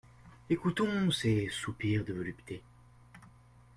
Ecoutons ces soupirs de volupté.